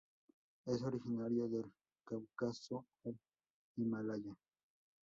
Es originario del Cáucaso al Himalaya.